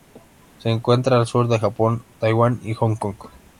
Se encuentra al sur del Japón, Taiwán y Hong Kong.